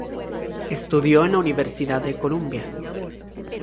Estudió en la Universidad de Columbia.